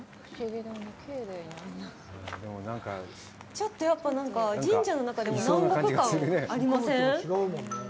ちょっと、やっぱ、なんか、神社の中でも、南国感ありません？